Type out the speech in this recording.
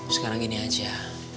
sekarang gini aja